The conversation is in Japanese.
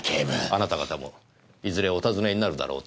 あなた方もいずれお尋ねになるだろうと思いましてね。